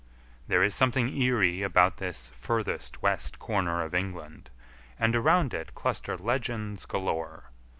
There is something eerie about this furthest west corner of England and around it cluster legends galore.